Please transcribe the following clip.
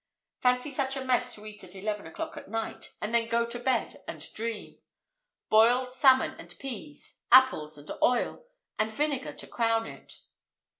Fancy such a mess to eat at eleven o'clock at night, and then go to bed and dream! Boiled salmon and peas! apples and oil! and vinegar to crown it!